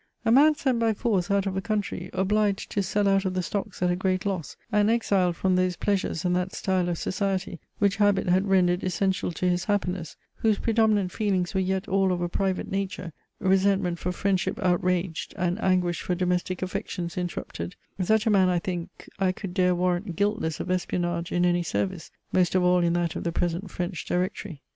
A man sent by force out of a country, obliged to sell out of the stocks at a great loss, and exiled from those pleasures and that style of society which habit had rendered essential to his happiness, whose predominant feelings were yet all of a private nature, resentment for friendship outraged, and anguish for domestic affections interrupted such a man, I think, I could dare warrant guiltless of espionnage in any service, most of all in that of the present French Directory.